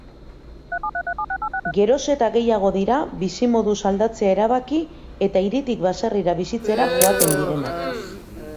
Gero eta gehiago dira bizimoduz aldatzea erabaki eta hiritik baserrira bizitzera joaten direnak.